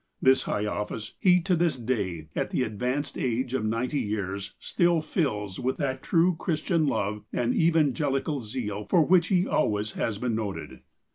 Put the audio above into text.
This high office he, to this day, at the advanced age of ninety years, still fills with that true Christian love and evan gelical zeal for which he always has been noted.